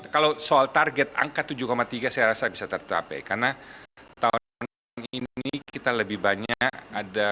kalau soal target angka tujuh tiga saya rasa bisa tercapai karena tahun ini kita lebih banyak ada